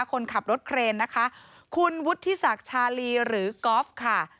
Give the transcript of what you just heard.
คนขับรถเครนนะคะคุณวุฒิศักดิ์ชาลีหรือกอล์ฟค่ะ